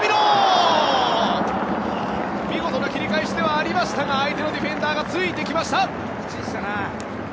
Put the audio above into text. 見事な切り返しではありましたが相手のディフェンダーがついてきました。